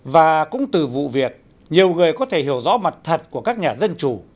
và cũng từ vụ việc nhiều người có thể hiểu rõ mặt thật của các nhà dân chủ